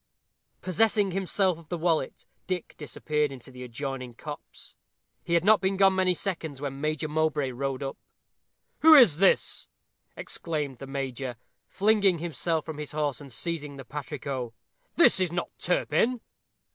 Possessing himself of the wallet, Dick disappeared in the adjoining copse. He had not been gone many seconds when Major Mowbray rode up. "Who is this?" exclaimed the Major, flinging himself from his horse, and seizing the patrico; "this is not Turpin."